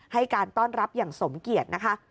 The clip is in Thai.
ให้การต้อนรับอย่างสมเกียจนะคะ